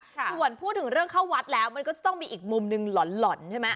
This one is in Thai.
ส่วนพูดถึงเรื่องเข้าวัดแล้วมันก็จะต้องมีอีกมุมหนึ่งหล่อนใช่ไหม